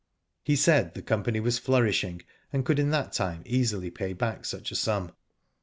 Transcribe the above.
He said the company was flourishing, and could in that time easily pay back such a sum.